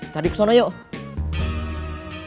tadi kesana yuk